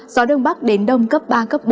gió đông bắc đến đông cấp ba cấp bốn